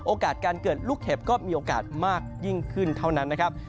โอกาสการเกิดลูกเห็บก็มีโอกาสมากยิ่งขึ้นเท่านั้นนะครับ